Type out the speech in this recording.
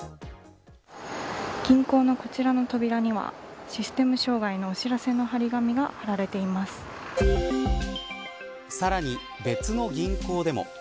銀行のこちらの扉にはシステム障害のお知らせのさらに、別の銀行でも。